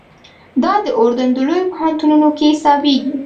دا د اردن په لویو پوهنتونو کې حسابېږي.